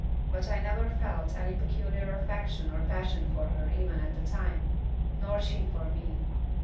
But I never felt any peculiar affection or passion for her even at the time, nor she for me.